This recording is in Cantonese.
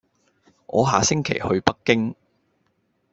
我下星期去北京